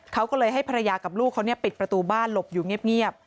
เขาก็เลยให้ภรรยากับลูกเขาปิดประตูบ้านหลบอยู่เงียบ